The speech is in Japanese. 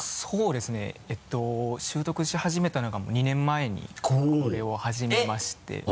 そうですね習得し始めたのが２年前にこれを始めまして。